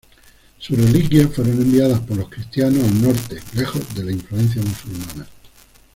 Sus reliquias fueron enviadas por los cristianos al norte, lejos de la influencia musulmana.